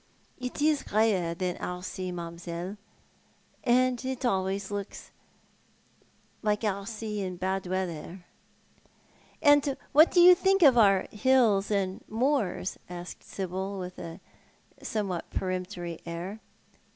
"It is greyer than our sea, mam'selle, and it looks always like our sea in bail weather." "And what do you think of our hills and moors?" asked Sibyl, with a somewhat peremptory air.